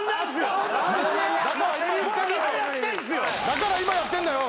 だから今やってんだよ。